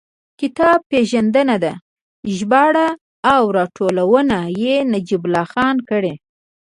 کتاب پېژندنه ده، ژباړه او راټولونه یې نجیب الله خان کړې.